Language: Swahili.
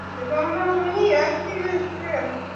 Kwako nitajificha lakini kwake siwezi.